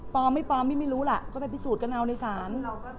ปลอมไม่ปลอมนี่ไม่รู้ล่ะก็ไปพิสูจน์กันเอาในศาล